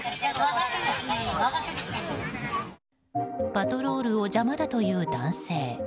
パトロールを邪魔だという男性。